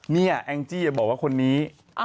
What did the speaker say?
เนี่ยแองจี้บอกว่าคนนี้